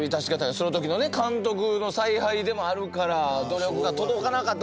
その時のね監督の采配でもあるから努力が届かなかった。